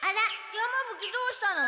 山ぶ鬼どうしたの？